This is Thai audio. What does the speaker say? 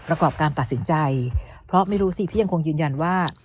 ประกอบการตัดสินใจเพราะไม่รู้สิพี่ยังคงยืนยันว่า